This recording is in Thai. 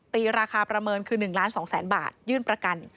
ตีราคาประเมินคือ๑ล้าน๒แสนบาทยื่นประกัน